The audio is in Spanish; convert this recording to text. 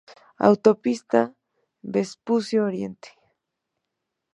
Autopista Vespucio Oriente